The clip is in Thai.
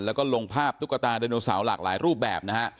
แล้วก็ลงภาพตุ๊กตาไดโนเสาร์หลากหลายรูปแบบนะฮะ